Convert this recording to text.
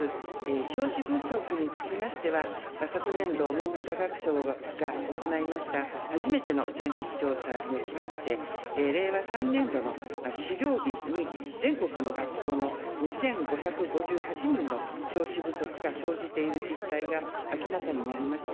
教師不足につきましては、昨年度、文部科学省が行いました、初めての全国調査におきまして、令和３年度の始業日に全国の学校の２５５８人の教師不足が生じている実態が明らかになりました。